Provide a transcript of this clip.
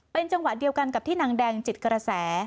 เป็นจังหวะเดียวกันกับที่นางแดงจิตกระแส